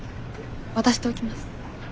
渡しておきます。